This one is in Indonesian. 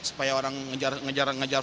supaya orang ngejar ngejar